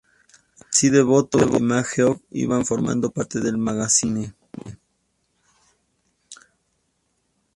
Así Devoto y McGeoch iban formando parte de Magazine.